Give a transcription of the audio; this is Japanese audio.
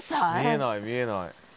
見えない見えない。